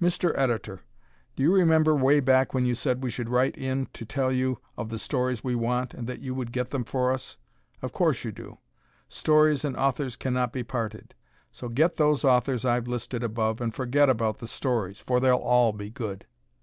Mr. Editor, do you remember way back when you said we should write in to you to tell you of the stories we want and that you would get them for us? Of course, you do. Stories and authors cannot be parted, so get those authors I've listed above and forget about the stories, for they'll all be good.